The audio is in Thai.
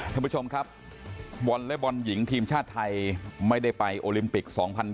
ท่านผู้ชมครับวอเล็กบอลหญิงทีมชาติไทยไม่ได้ไปโอลิมปิก๒๐๒๐